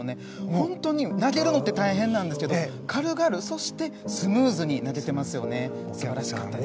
本当に投げるのって大変なんですけど軽々、そしてスムーズに投げていますよね。